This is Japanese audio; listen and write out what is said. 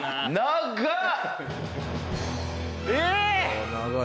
長っ！